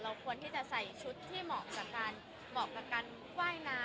เราควรที่จะใส่ชุดที่เหมาะกับการว่ายน้ำ